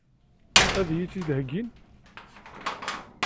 Ad iyi-ten-id-heggin?